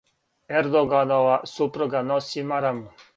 Ердоганова супруга носи мараму.